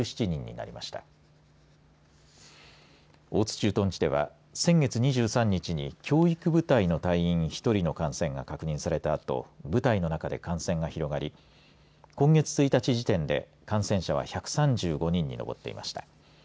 駐屯地では先月２３日に教育部隊の隊員１人の感染が確認されたあと部隊の中で感染が広がり今月１日時点で感染者は１３５人に上っていました。